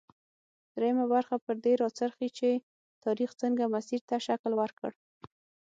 دویمه برخه پر دې راڅرخي چې تاریخ څنګه مسیر ته شکل ورکړ.